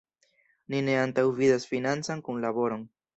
Ni ne antaŭvidas financan kunlaboron.